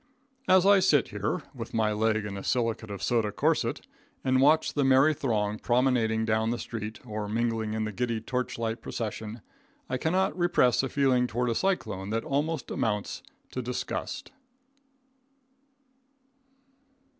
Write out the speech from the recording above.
As I sit here, with my leg in a silicate of soda corset, and watch the merry throng promenading down the street, or mingling in the giddy torchlight procession, I cannot repress a feeling toward a cyclone that almost amounts to disgust.